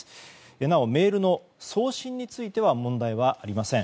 なお、メールの送信については問題はありません。